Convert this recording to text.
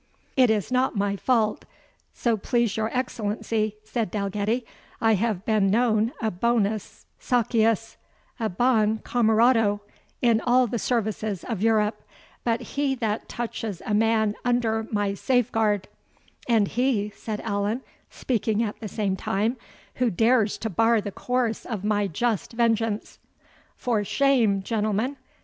"It is not my fault, so please your Excellency," said Dalgetty. "I have been known a BONUS SOCIUS, A BON CAMARADO, in all the services of Europe; but he that touches a man under my safeguard " "And he," said Allan, speaking at the same time, "who dares to bar the course of my just vengeance " "For shame, gentlemen!"